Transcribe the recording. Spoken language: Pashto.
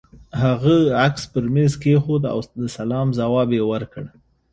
هغه عکس پر مېز کېښود او د سلام ځواب يې ورکړ.